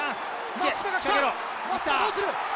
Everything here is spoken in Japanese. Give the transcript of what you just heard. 松島どうする？